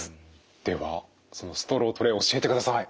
ではそのストロートレ教えてください。